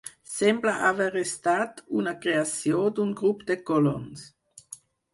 Sembla haver estat una creació d'un grup de colons.